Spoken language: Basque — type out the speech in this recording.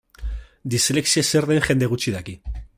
Dislexia zer den jende gutxik daki.